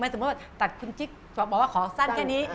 สมมุติว่าตัดคุณจิ๊กบอกว่าขอสั้นแค่นี้